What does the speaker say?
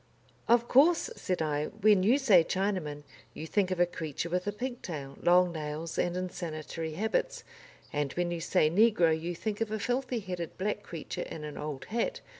"Of course," said I, "when you say Chinaman, you think of a creature with a pigtail, long nails, and insanitary habits, and when you say negro you think of a filthy headed, black creature in an old hat.